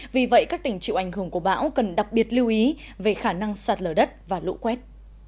vì vậy các tỉnh chịu ảnh hưởng của bão cần đặc biệt lưu ý về khả năng sạt lở đất và lũ quét